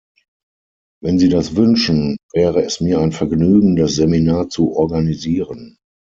Wenn Sie das wünschen, wäre es mir ein Vergnügen, das Seminar zu organisieren.